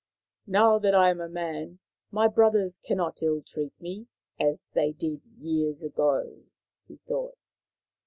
" Now that I am a man my brothers cannot ill treat me as they did years ago," he thought.